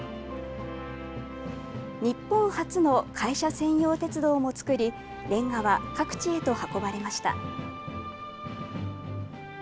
日本初の会社専用鉄道も作り、れんがは各地へと運ばれました。